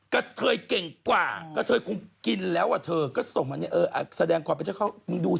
กระเทยเก่งกว่ากระเทยคงกินแล้วอ่ะเธอก็ส่งมาแสดงความเป็นเจ้าเขามึงดูสิ